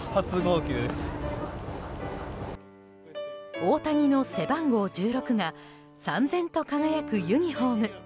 大谷の背番号１６が燦然と輝くユニホーム。